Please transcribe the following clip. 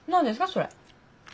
それ。